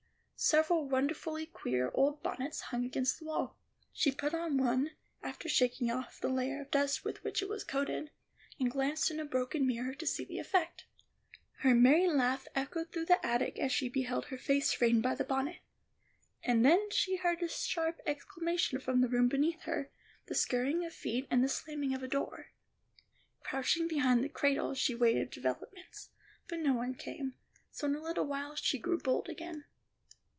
Several wonderfully queer old bonnets hung against the wall. She put on one (after shaking off the layer of dust with which it was coated), and glanced in a broken mirror to see the effect. Her merry laugh echoed through the attic as she beheld her face framed by the bonnet. And then she heard a sharp exclamation from the room beneath her, the scurrying of feet, and the slamming of a door. Crouching down behind the cradle, she waited developments; but no one came; so in a little while she grew bold again.